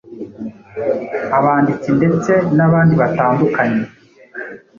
abanditsi ndetse n’abandi batandukanye.